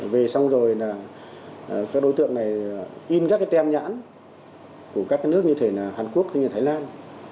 về xong rồi là các đối tượng này in các cái tem nhãn của các nước như thế là hàn quốc như thái lan